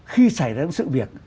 khi xảy ra những sự việc